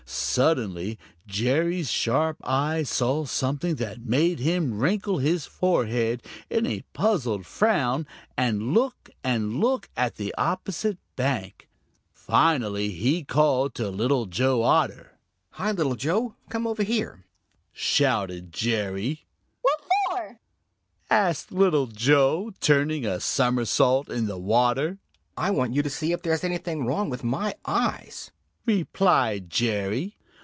Suddenly Jerry's sharp eyes saw something that made him wrinkle his forehead in a puzzled frown and look and look at the opposite bank. Finally he called to Little Joe Otter. "Hi, Little Joe! Come over here!" shouted Jerry. "What for?" asked Little Joe, turning a somersault in the water. "I want you to see if there is anything wrong with my eyes," replied Jerry.